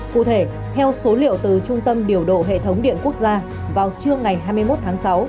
cụ thể theo số liệu từ trung tâm điều độ hệ thống điện quốc gia vào trưa ngày hai mươi một tháng sáu